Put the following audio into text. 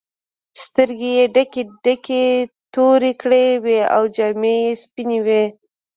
سترګې یې ډکې ډکې تورې کړې وې او جامې یې سپینې وې.